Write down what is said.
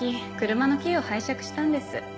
車のキーを拝借したんです。